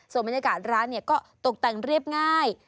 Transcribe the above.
ส่วนบรรยากาศร้านก็ตกแต่งเรียบง่าย